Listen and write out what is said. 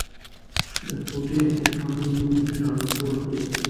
د کوټې پخوانی نوم شالکوټ دی